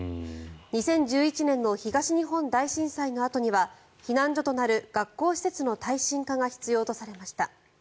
２０１１年の東日本大震災のあとには避難所となる学校施設の耐震化が必要とされました。